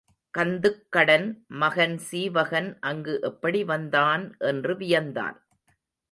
கந்துக்கடன் மகன் சீவகன் அங்கு எப்படி வந்தான் என்று வியந்தான்.